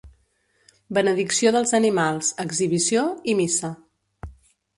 Benedicció dels animals, exhibició i missa.